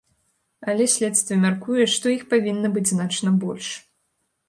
Але следства мяркуе, што іх павінна быць значна больш.